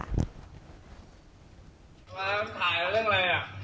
มาถ่ายเรื่องอะไรอ่ะ